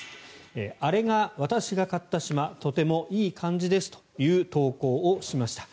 あれが私が買った島とてもいい感じですという投稿をしました。